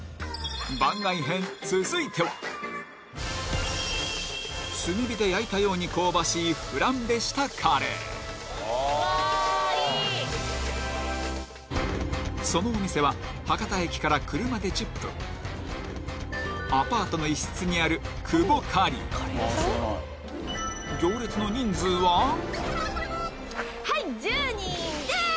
番外編続いては炭火で焼いたように香ばしいフランベしたカレーそのお店は博多駅から車で１０分アパートの一室にあるクボカリーはい１０人です